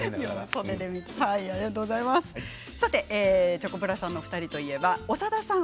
チョコプラさんの２人といえば長田さん